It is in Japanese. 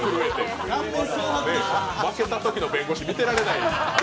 負けたときの弁護士見てられない。